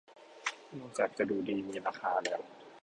นอกจากจะดูดีมีราคาแล้ว